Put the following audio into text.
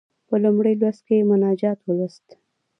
په لومړي لوست کې مناجات ولوست.